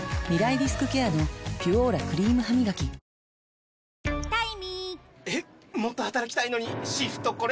リスクケアの「ピュオーラ」クリームハミガキ脂肪対策続かない